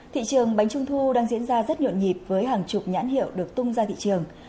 thị trường bánh trung thu đang diễn ra rất nhộn nhịp với hàng chục nhãn hiệu được tung ra thị trường